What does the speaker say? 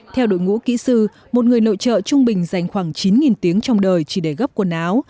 theo đội ngũ kỹ sư một người nội trợ trung bình dành khoảng chín tiếng trong đời chỉ để gấp quần áo